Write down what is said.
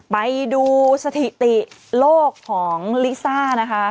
ไปดูสถิติโลกของลิซ่านะคะ